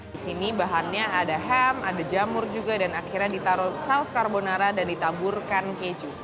di sini bahannya ada ham ada jamur juga dan akhirnya ditaruh saus carbonara dan ditaburkan keju